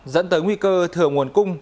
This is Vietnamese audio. dẫn tới nguy cơ thừa nguồn cung